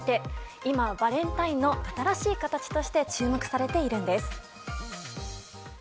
今バレンタインの新しい形として注目されているんです。